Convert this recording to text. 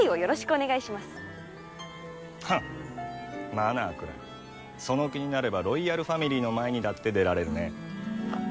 「マナー」くらいその気になればロイヤルファミリーの前にだって出られるね。